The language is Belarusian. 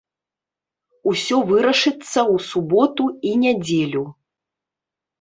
Усё вырашыцца ў суботу і нядзелю.